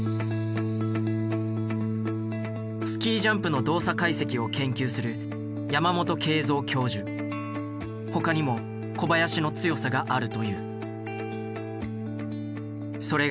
スキージャンプの動作解析を研究するほかにも小林の強さがあるという。